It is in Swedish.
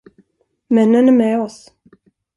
Männen är med oss.